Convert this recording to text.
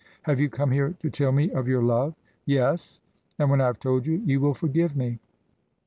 "Have you come here to tell me of your love?" "Yes. And when I have told you, you will forgive me."